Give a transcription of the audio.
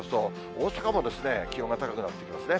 大阪も気温が高くなってきますね。